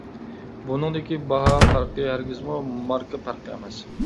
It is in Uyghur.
بۇنىڭدىكى باھا پەرقى ھەرگىزمۇ ماركا پەرقى ئەمەس.